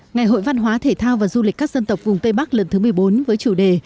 ngày hội văn hóa thể thao và du lịch các dân tộc vùng tây bắc lần thứ một mươi bốn với chủ đề